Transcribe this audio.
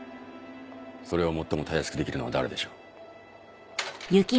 それを最もたやすくできるのは誰でしょう？